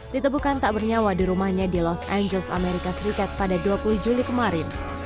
ditemukan tak bernyawa di rumahnya di los angeles amerika serikat pada dua puluh juli kemarin